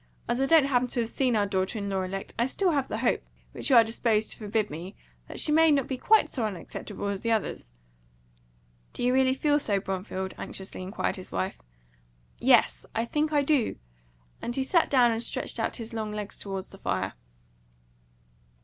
As I don't happen to have seen our daughter in law elect, I have still the hope which you're disposed to forbid me that she may not be quite so unacceptable as the others." "Do you really feel so, Bromfield?" anxiously inquired his wife. "Yes I think I do;" and he sat down, and stretched out his long legs toward the fire.